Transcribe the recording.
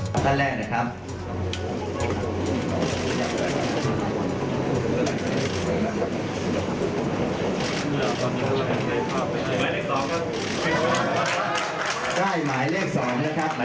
ได้หมายเลขสองนะครับหมายเลขสองขวางแอะไร